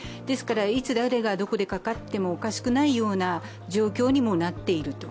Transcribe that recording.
ですから、いつ、誰がどこでかかってもおかしくない状況にもなっている。